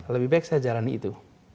lebih baik saya jalani itu